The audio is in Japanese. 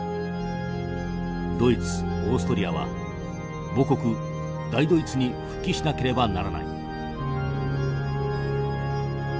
ドイツオーストリアは母国大ドイツに復帰しなければならない」。